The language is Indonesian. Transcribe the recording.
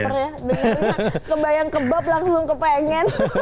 ternyata kebayang kebab langsung kepengen